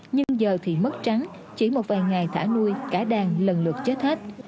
nhưng giờ thì mất trắng chỉ một vài ngày thả nuôi cả đàn lần lượt chết hết